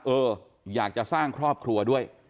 เอออยากจะสร้างครอบครัวด้วย